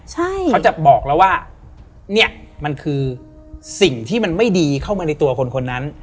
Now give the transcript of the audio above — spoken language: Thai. ใช่เขาจะบอกแล้วว่าเนี่ยมันคือสิ่งที่มันไม่ดีเข้ามาในตัวคนคนนั้น